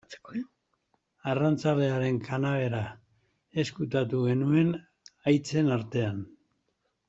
Arrantzalearen kanabera ezkutatu genuen haitzen artean.